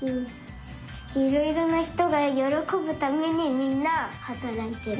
いろいろなひとがよろこぶためにみんなはたらいてる。